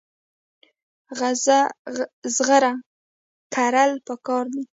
زغر کرل پکار دي.